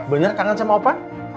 bener kangen sama opa